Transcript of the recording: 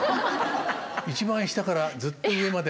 一番下からずっと上まで。